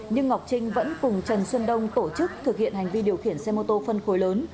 nhưng ngọc trinh vẫn cùng trần xuân đông tổ chức thực hiện hành vi điều khiển xe mô tô phân khối lớn